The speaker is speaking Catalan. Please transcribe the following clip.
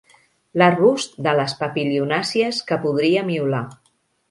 L'arbust de les papilionàcies que podria miolar.